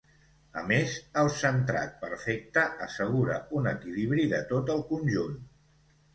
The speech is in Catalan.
A més, el centrat perfecte assegura un equilibri de tot el conjunt.